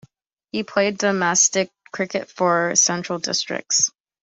He played domestic cricket for Central Districts.